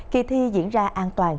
kỳ thi diễn ra an toàn